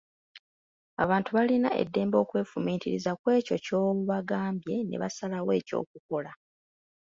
Abantu balina eddembe okwefumiitiriza kw'ekyo ky'obagambye ne basalawo eky'okukola.